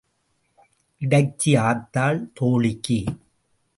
இடைச்சி ஆத்தாள் தோளிக்கு.